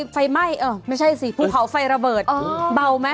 ไฟไหม้เออไม่ใช่สิภูเขาไฟระเบิดเบาไหม